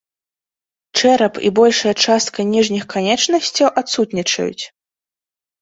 Чэрап і большая частка ніжніх канечнасцяў адсутнічаюць.